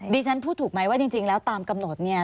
ฉันพูดถูกไหมว่าจริงแล้วตามกำหนดเนี่ย